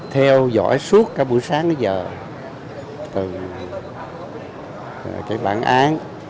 theo dõi suốt cả buổi sáng tới giờ từ các bản án